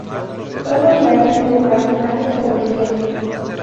Fue bailarín de patinaje sobre hielo.